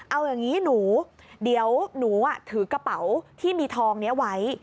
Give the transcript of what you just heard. เอาอย่างนี้หนูเดี๋ยวหนูถือกระเป๋าที่มีทองนี้ไว้